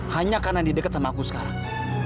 hanya karena di dekat sama aku sekarang